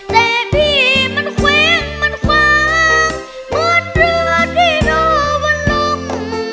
แต่พี่มันเขวงมันฟ้างเหมือนเรือที่โดวนลง